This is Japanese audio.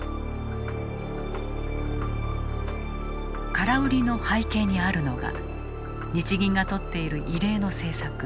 空売りの背景にあるのが日銀がとっている異例の政策